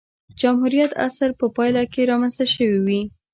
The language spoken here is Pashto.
جمهوریت عصر په پایله کې رامنځته شوې وې.